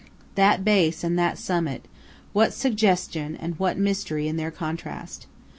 That base and that summit what suggestion and what mystery in their contrast!